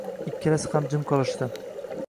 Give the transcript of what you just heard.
Ikkalasi ham jim qolishdi